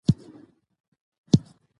زه د انګلېسي لغتونه زده کوم.